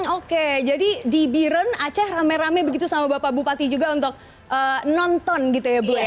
oke jadi di biren aceh rame rame begitu sama bapak bupati juga untuk nonton gitu ya bu ya